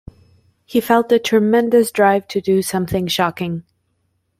He felt a tremendous drive to do something shocking.